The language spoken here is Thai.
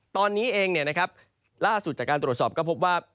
ตอนนี้เองล่าสุดจากการตรวจสอบก็พบว่า